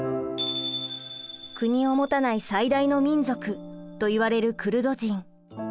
国を持たない最大の民族といわれるクルド人。